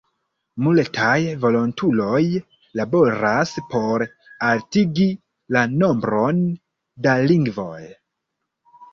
Multaj volontuloj laboras por altigi la nombron da lingvoj.